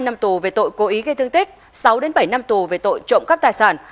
năm năm tù về tội cố ý gây thương tích sáu bảy năm tù về tội trộm cắp tài sản